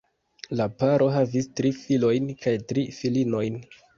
La paro havis tri filojn kaj tri filinojn.